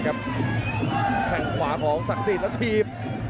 ขวางแข็งขวาเจอเกลเททิ้ง